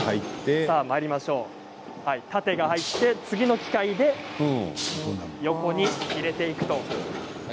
縦が入って、次の機械で横に入れていくと。